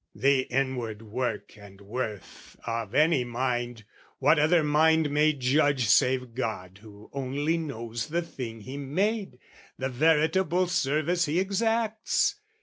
"The inward work and worth "Of any mind, what other mind may judge "Save God who only knows the thing He made, "The veritable service He exacts?